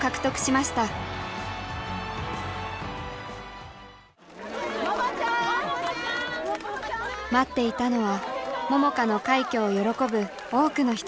待っていたのは桃佳の快挙を喜ぶ多くの人たち。